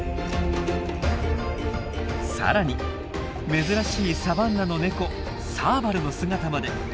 更に珍しいサバンナのネコサーバルの姿まで。